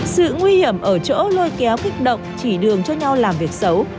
sự nguy hiểm ở chỗ lôi kéo kích động chỉ đường cho nhau làm việc xấu